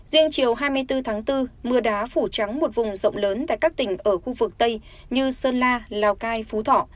riêng chiều hai mươi bốn tháng bốn mưa đá phủ trắng một vùng rộng lớn tại các tỉnh ở khu vực tây như sơn la lào cai phú thọ